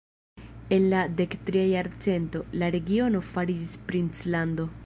En la dektria jarcento, la regiono fariĝis princlando.